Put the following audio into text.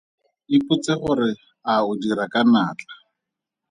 Ipotse gore a o dira ka natla.